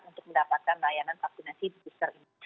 untuk mendapatkan layanan vaksinasi booster ini